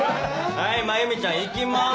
はい真弓ちゃんいきます。